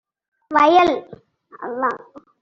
வயல்